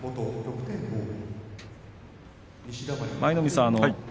舞の海さん